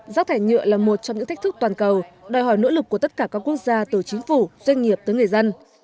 rác thải nhựa là một trong những thách thức toàn cầu đòi hỏi nỗ lực của tất cả các quốc gia từ chính phủ doanh nghiệp tới người dân